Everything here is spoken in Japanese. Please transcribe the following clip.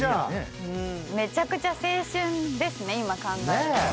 めちゃくちゃ青春ですね今考えたら。